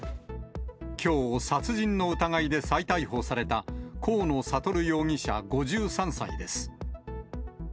きょう、殺人の疑いで再逮捕された河野智容疑者５３歳です。